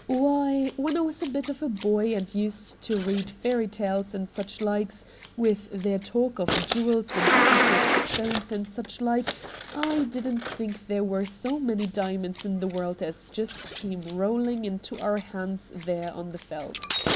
Wliy, when I was a bit of a boy and used to read fairy tales and such like, with their talk of jewels and pre cious stones and such like, I didn't think there were so many diamonds in the world as just came rolling into our hands there on the Yeldt.